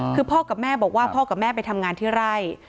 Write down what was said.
คือพ่อกับแม่บอกว่าพ่อกับแม่ไปทำงานที่ไร่